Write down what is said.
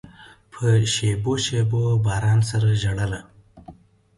په شېبو، شېبو باران سره ژړله